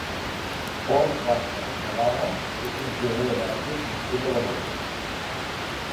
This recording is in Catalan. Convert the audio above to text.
Pol Bassas Navarra és un jugador de bàsquet nascut a Badalona.